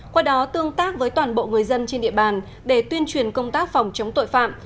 qua đó tương tác với toàn bộ người dân trên địa bàn để tuyên truyền công tác phòng chống tội phạm